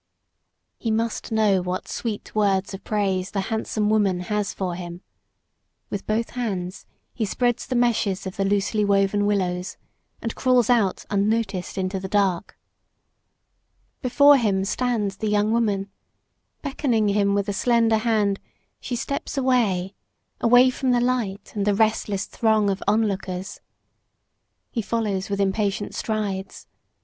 He must know what sweet words of praise the handsome woman has for him. With both hands he spreads the meshes of the loosely woven willows, and crawls out unnoticed into the dark. Before him stands the young woman. Beckoning him with a slender hand, she steps backward, away from the light and the restless throng of onlookers. He follows with impatient strides.